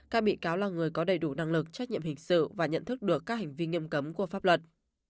các bị cáo là người có đầy đủ năng lực trách nhiệm hình sự và nhận thức được các hành vi nghiêm cấm của pháp luật